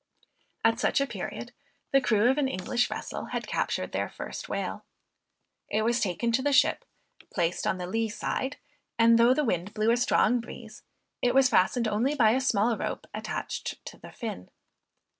At such a period, the crew of an English vessel had captured their first whale. It was taken to the ship, placed on the lee side, and though the wind blew a strong breeze, it was fastened only by a small rope attached to the fin.